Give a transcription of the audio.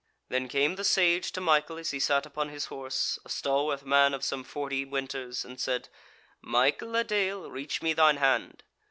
Then came the Sage to Michael as he sat upon his horse, a stalwarth man of some forty winters, and said: "Michael a dale, reach me thine hand."